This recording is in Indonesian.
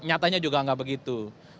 nyatanya juga enggak begitu